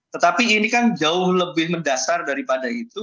tetapi ini kan jauh lebih mendasar daripada itu